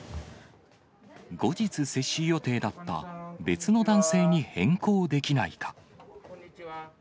後日接種予定だった別の男性に変更できないか。